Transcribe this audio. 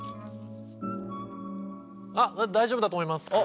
大丈夫だと思います。